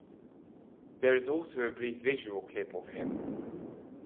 There is also a brief visual clip of him.